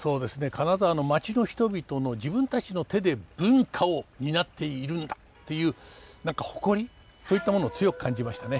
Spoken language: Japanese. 金沢の町の人々の自分たちの手で文化を担っているんだという何か誇りそういったものを強く感じましたね。